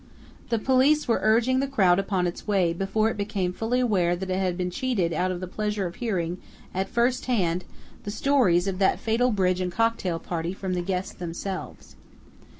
The police were urging the crowd upon its way before it became fully aware that it had been cheated of the pleasure of hearing, at first hand, the stories of that fatal bridge and cocktail party from the guests themselves.